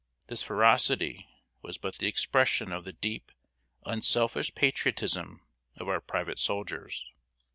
This ferocity was but the expression of the deep, unselfish patriotism of our private soldiers.